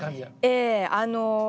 ええあの。